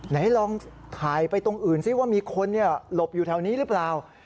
ไหนลองถ่ายไปตรงอื่นซิว่ามีคนหลบอยู่แถวนี้หรือเปล่า